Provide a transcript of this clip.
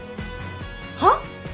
はっ！？